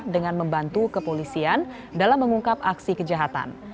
dengan membantu kepolisian dalam mengungkap aksi kejahatan